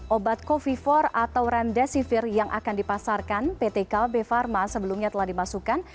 obat covifor atau remdesivir yang akan dipasarkan pt kb pharma sebelumnya telah dimasukkan